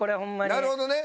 なるほどね。